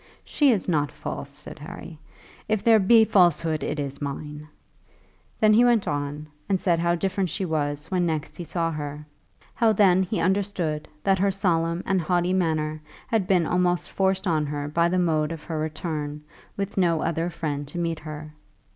"She is not false," said Harry; "if there be falsehood, it is mine." Then he went on, and said how different she was when next he saw her. How then he understood that her solemn and haughty manner had been almost forced on her by the mode of her return, with no other friend to meet her.